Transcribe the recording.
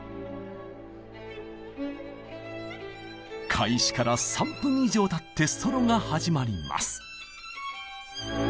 開始から３分以上たってソロが始まります。